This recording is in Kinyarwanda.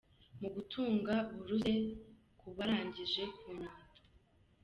mu gutanga buruse ku barangije ku Nyundo